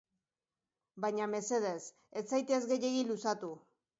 Baina mesedez, ez zaitez gehiegi luzatu.